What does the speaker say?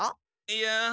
いや。